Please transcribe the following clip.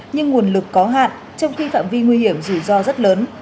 nhưng nguồn lực có hạn trong khi phạm vi nguy hiểm rủi ro rất lớn